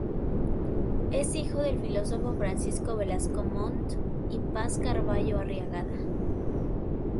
Es hijo del filósofo Francisco Velasco Montt y Paz Carvallo Arriagada.